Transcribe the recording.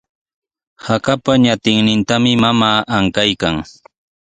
Hakapa ñatinnintami mamaa ankaykan.